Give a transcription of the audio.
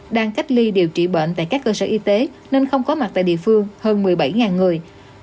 đang cách ly điều trị bệnh tại các cơ sở y tế nên không có mặt tại địa phương hơn một mươi bảy người